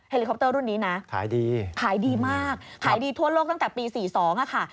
ลิคอปเตอร์รุ่นนี้นะขายดีขายดีมากขายดีทั่วโลกตั้งแต่ปี๔๒ค่ะ